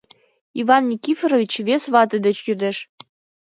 — Иван Никифорович вес вате деч йодеш.